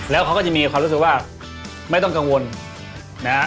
แล้วเขาก็จะมีความรู้สึกว่าไม่ต้องกังวลนะฮะ